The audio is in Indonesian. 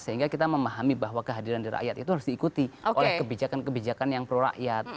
sehingga kita memahami bahwa kehadiran rakyat itu harus diikuti oleh kebijakan kebijakan yang prorakyat